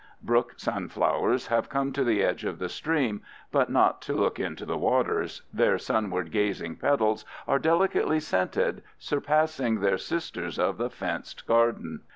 Brook sunflowers have come to the edge of the stream, but not to look into the waters; their sunward gazing petals are delicately scented, surpassing their sisters of the fenced garden.